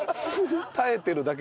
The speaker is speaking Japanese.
耐えてるだけ。